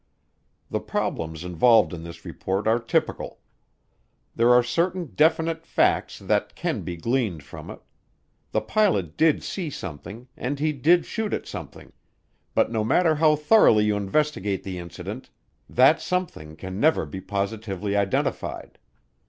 The problems involved in this report are typical. There are certain definite facts that can be gleaned from it; the pilot did see something and he did shoot at something, but no matter how thoroughly you investigate the incident that something can never be positively identified.